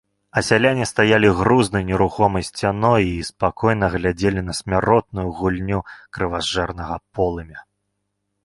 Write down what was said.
А сяляне стаялі грузнай нерухомай сцяной і спакойна глядзелі на смяротную гульню крыважэрнага полымя.